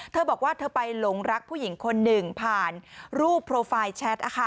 เธอบอกว่าเธอไปหลงรักผู้หญิงคนหนึ่งผ่านรูปโปรไฟล์แชท